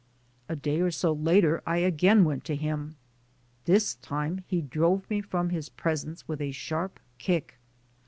A day or so later I again went to him; this time he drove me from his presence with a sharp kick.